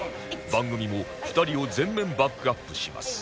番組も２人を全面バックアップします